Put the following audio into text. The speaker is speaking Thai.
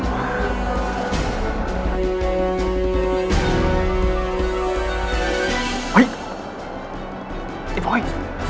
เฮ้ยไอ้พลอย